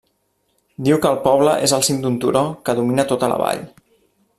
Diu que el poble és al cim d'un turó que domina tota la vall.